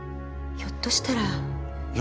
ひょっとしたら？